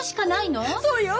そうよ！